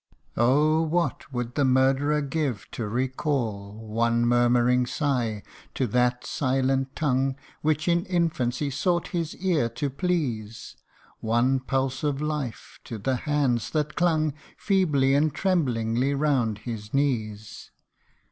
Oh, what would the murderer give to recall One murmuring sigh to that silent tongue, Which in infancy sought his ear to please ; One pulse of life, to the hands that clung Feebly and tremblingly round his knees